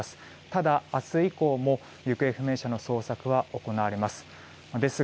ただ、明日以降も行方不明者の捜索は行われます。